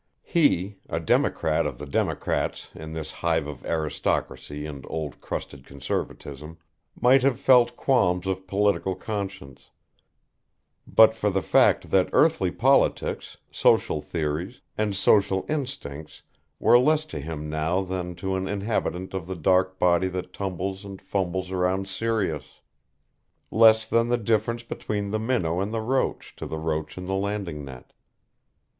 He, a democrat of the Democrats in this hive of Aristocracy and old crusted conservatism, might have felt qualms of political conscience, but for the fact that earthly politics, social theories, and social instincts were less to him now than to an inhabitant of the dark body that tumbles and fumbles around Sirius. Less than the difference between the minnow and the roach to the roach in the landing net.